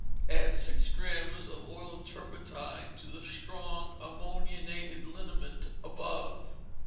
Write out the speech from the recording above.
Add six drachms of oil of turpentine to the strong ammoniated liniment above.